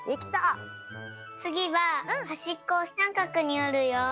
つぎははしっこをさんかくにおるよ。